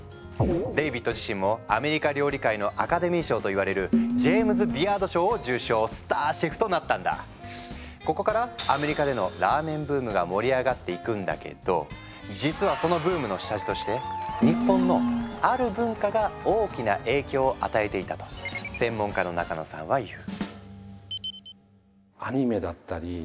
デイビッド自身もアメリカ料理界のアカデミー賞といわれるここからアメリカでのラーメンブームが盛り上がっていくんだけど実はそのブームの下地として日本のある文化が大きな影響を与えていたと専門家の中野さんは言う。